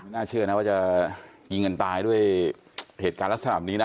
น่าเชื่อนะว่าจะยิงกันตายด้วยเหตุการณ์ลักษณะแบบนี้นะ